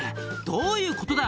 どういうことだ